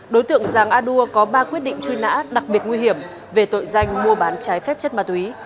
đối tượng giàng a đua có ba quyết định truy nã đặc biệt nguy hiểm về tội danh mua bán trái phép chất ma túy